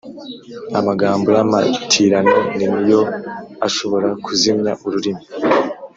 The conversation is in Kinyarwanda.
amagambo y’amatirano ni yo ashobora kuzimya ururimi